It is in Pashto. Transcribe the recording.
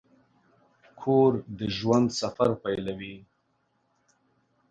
کور د ژوند سفر پیلوي.